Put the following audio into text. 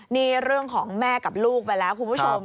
นี่เรื่องของแม่กับลูกไปแล้วคุณผู้ชม